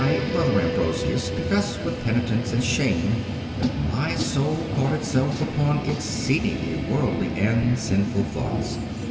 I, Brother Ambrosius, confess with penitence and shame that my soul caught itself upon exceedingly worldly and sinful thoughts.